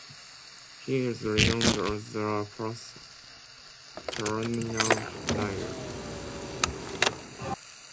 He is renowned as a perennial niggler.